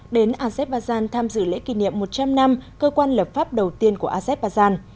đến azerbaijan tham dự lễ kỷ niệm một trăm linh năm cơ quan lập pháp đầu tiên của azerbaijan